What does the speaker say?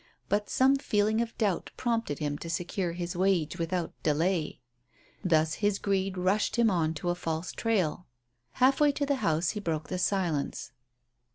But some feeling of doubt prompted him to secure his wage without delay. Thus his greed rushed him on to a false trail. Halfway to the house he broke the silence.